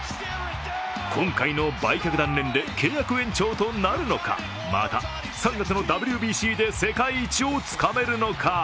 今回の売却断念で契約延長となるのか、また３月のＷＢＣで世界一をつかめるのか。